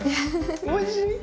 おいしい！